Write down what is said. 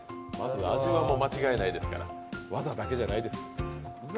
味は間違いないですから、技だけじゃないです。